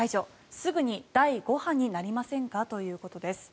すぐに第５波になりませんか？ということです。